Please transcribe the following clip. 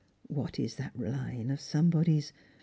What is that line of somebody's